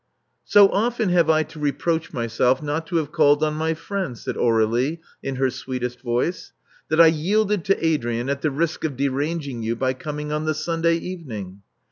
So often have I to reproach myself not to have called on my friends," said Aur61ie in her sweetest voice, that I yielded to Adrian at the risk of derang ing you by coming on the Sunday evening.